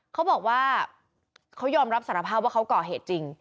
เขาบอกว่าเขายอมรับสารภาพว่าเขาก่อเหตุจริง